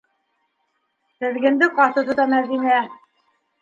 Теҙгенде ҡаты тота Мәҙинә.